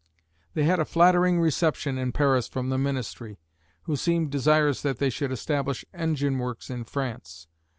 They had a flattering reception in Paris from the ministry, who seemed desirous that they should establish engine works in France.